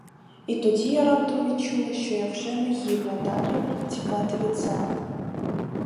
І тоді я раптом відчула, що я вже не гідна далі тікати від себе.